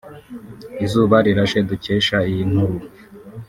Izuba Rirashe dukesha iyi nkuru